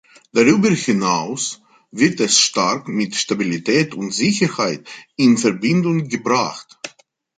Darüber hinaus wird es stark mit Stabilität und Sicherheit in Verbindung gebracht.